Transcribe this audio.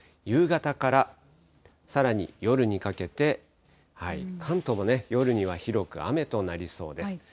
夕方から、さらに夜にかけて、関東も夜には広く雨となりそうです。